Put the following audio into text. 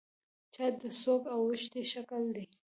چا د څوک اوښتي شکل دی.